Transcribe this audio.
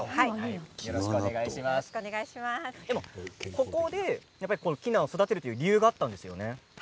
ここでキヌアを育てるという理由があったんですよね。